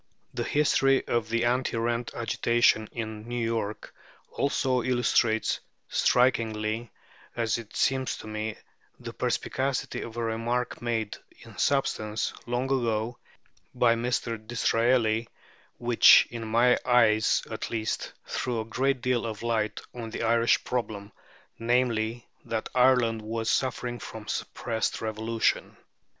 The history of the anti rent agitation in New York also illustrates strikingly, as it seems to me, the perspicacity of a remark made, in substance, long ago by Mr. Disraeli, which, in my eyes at least, threw a great deal of light on the Irish problem, namely, that Ireland was suffering from suppressed revolution.